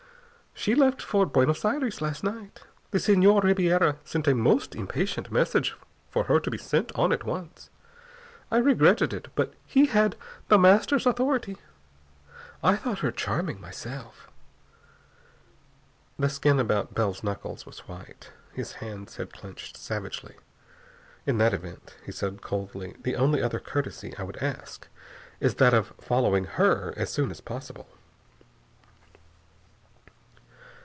"She left for Buenos Aires last night. The Senhor Ribiera sent a most impatient message for her to be sent on at once. I regretted it, but he had The Master's authority. I thought her charming, myself." The skin about Bell's knuckles was white. His hands had clenched savagely. "In that event," he said coldly, "the only other courtesy I would ask is that of following her as soon as possible."